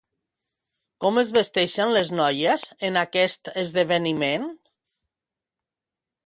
Com es vesteixen les noies en aquest esdeveniment?